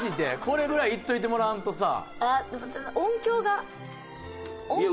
これぐらいいっといてもらわんとさ。